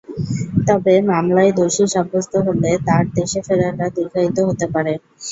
তবে মামলায় দোষী সাব্যস্ত হলে তাঁর দেশে ফেরাটা দীর্ঘায়িত হতে পারে।